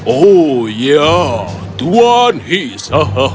oh ya tuan hiss